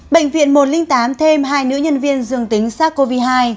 bệnh viện một trăm linh tám thêm hai nữ nhân viên dương tính sars cov hai